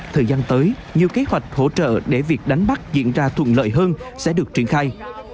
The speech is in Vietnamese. thời gian tới nhiều kế hoạch hỗ trợ để việc đánh bắt diễn ra thuận lợi hơn sẽ được triển khai